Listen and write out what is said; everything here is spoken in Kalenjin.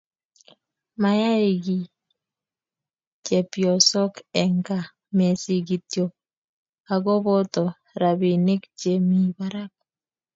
mayae kiy chpyosok eng kaa meesi kityo akobo rapinik che mii barak